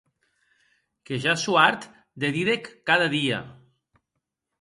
Que ja sò hart de didè’c cada dia.